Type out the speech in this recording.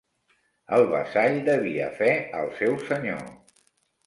El vassall devia fe al seu senyor.